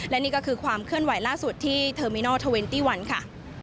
และนี่ก็คือความเคลื่อนไหวล่าสุดที่เทอร์มินอล๒๑ค่ะ